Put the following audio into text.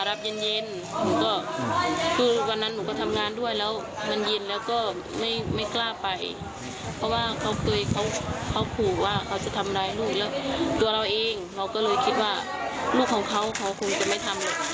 แล้วตัวเราเองเราก็เลยคิดว่าลูกของเขาเขาคงจะไม่ทำเลย